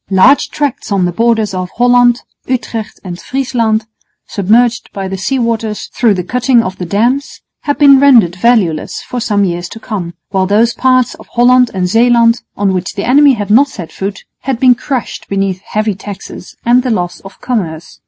Large tracts on the borders of Holland, Utrecht and Friesland, submerged by the sea waters through the cutting of the dams, had been rendered valueless for some years to come, while those parts of Holland and Zeeland on which the enemy had not set foot had been crushed beneath heavy taxes and the loss of commerce.